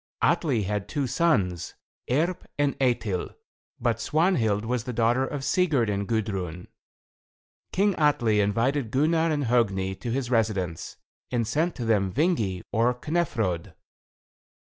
Atli had two sons, Erp and Eitil, but Svanhild was the daughter of Sigurd and Gudrun. King Atli invited Gunnar and Hogni to his residence, and sent to them Vingi, or Knefrod.